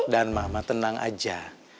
dan mama tenang aja